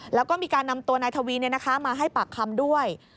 แล้วก็มีการนำตัวนายทวีมาให้ปากคำด้วย